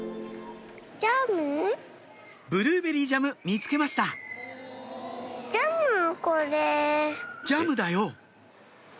ブルーベリージャム見つけましたジャムだよ！